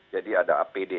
jadi ada apd